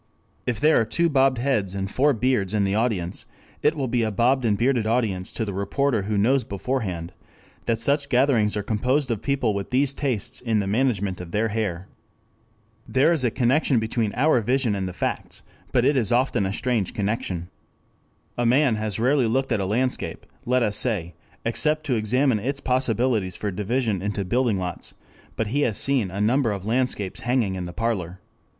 If there are two bobbed heads and four beards in the audience, it will be a bobbed and bearded audience to the reporter who knows beforehand that such gatherings are composed of people with these tastes in the management of their hair. There is a connection between our vision and the facts, but it is often a strange connection. A man has rarely looked at a landscape, let us say, except to examine its possibilities for division into building lots, but he has seen a number of landscapes hanging in the parlor.